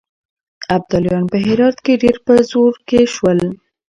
ابدالیان په هرات کې ډېر په زور کې شول.